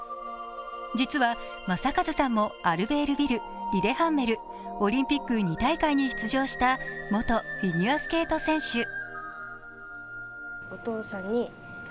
実は、正和さんもアルベールビルリレハンメルオリンピック２大会に出場した元フィギュアスケート選手。